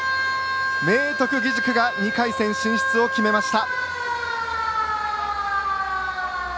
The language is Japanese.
明徳義塾が２回戦進出を決めました。